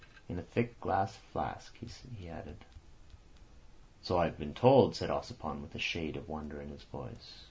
"In a thick glass flask," he added. "So I have been told," said Ossipon, with a shade of wonder in his voice.